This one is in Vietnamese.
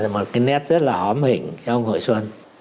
một cái nét rất là ấm hình trong hội xuân